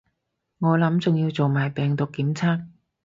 我諗仲要做埋病毒檢測